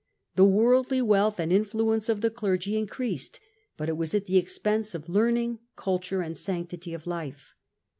The worldly wealth and influence of the clergy increased, but it was at the expense of learning, culture, and sanctity of life.